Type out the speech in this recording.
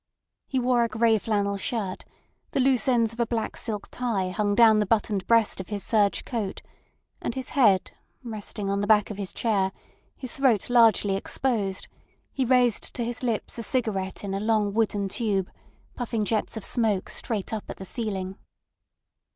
He wore a grey flannel shirt, the loose ends of a black silk tie hung down the buttoned breast of his serge coat; and his head resting on the back of his chair, his throat largely exposed, he raised to his lips a cigarette in a long wooden tube, puffing jets of smoke straight up at the ceiling.